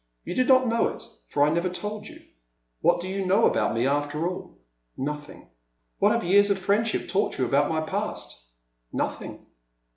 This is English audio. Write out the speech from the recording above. " You did not know it, for I never told you. What do 124 The Silent Land. you know about me after all ? Nothing. What have years of friendship taught you about my past? Nothing.